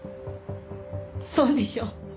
そうでしょ？